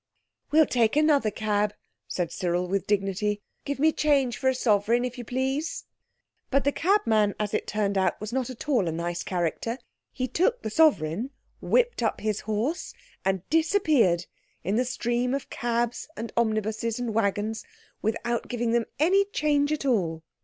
"We'll take another cab," said Cyril with dignity. "Give me change for a sovereign, if you please." But the cabman, as it turned out, was not at all a nice character. He took the sovereign, whipped up his horse, and disappeared in the stream of cabs and omnibuses and wagons, without giving them any change at all.